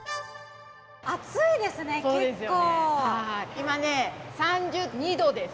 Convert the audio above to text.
今ね３２℃です。